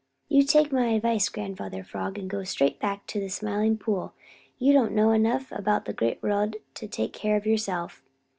You take my advice, Grandfather Frog, and go straight back to the Smiling Pool. You don't know enough about the Great World to take care of yourself."